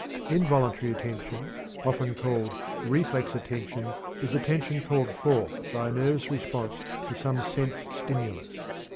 Involuntary attention, often called "reflex attention," is attention called forth by a nervous response to some sense stimulus.